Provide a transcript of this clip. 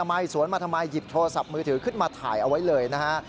มาสวนมาทำไมหยิบโทรศัพท์มือถือขึ้นมาถ่ายเอาไว้เลยนะฮะ